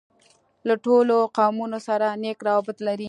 له ټولو قومونوسره نېک راوبط لري.